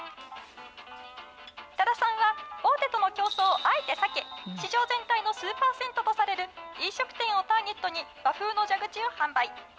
多田さんは、大手との競争をあえて避け、市場全体の数％とされる飲食店をターゲットに和風の蛇口を販売。